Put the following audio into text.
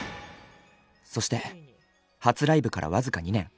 そして初ライブから僅か２年。